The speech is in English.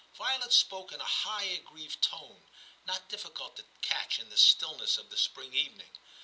Violet spoke in a high aggrieved tone, not difficult to catch in the stillness of the spring evening.